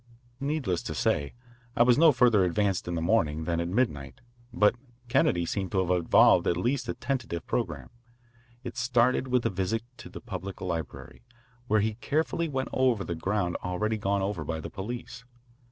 Needless to say, I was no further advanced in the morning than at midnight, but Kennedy seemed to have evolved at least a tentative programme. It started with a visit to the public library, where he carefully went over the ground already gone over by the police.